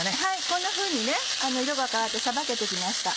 こんなふうに色が変わってさばけて来ました。